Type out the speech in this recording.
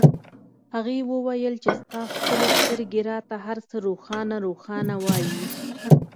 هغې وویل چې ستا ښکلې سترګې راته هرڅه روښانه روښانه وایي